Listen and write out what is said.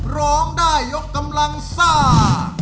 ร้องได้ยกกำลังซ่า